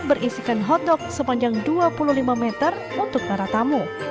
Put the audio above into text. berisikan hotdog sepanjang dua puluh lima meter untuk para tamu